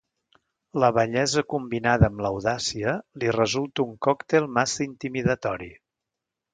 La bellesa combinada amb l'audàcia li resulta un còctel massa intimidatori.